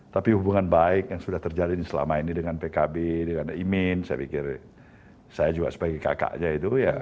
tapi hubungan baik yang sudah terjadi selama ini dengan pkb dengan imin saya pikir saya juga sebagai kakaknya itu ya